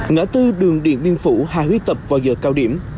ngã tư đường điện nguyên phủ hải huy tập vào giờ cao điểm